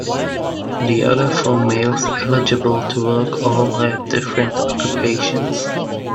The other four males eligible to work all had different occupations.